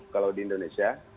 kalau di indonesia